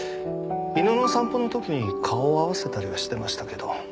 犬の散歩の時に顔を合わせたりはしてましたけど。